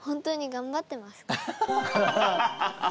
頑張ってますか？